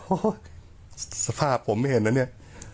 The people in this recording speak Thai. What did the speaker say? โอโหสภาพผมไม่เห็นแล้วเนี้ย